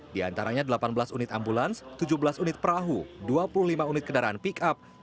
di antaranya delapan belas unit ambulans tujuh belas unit perahu dua puluh lima unit kendaraan pick up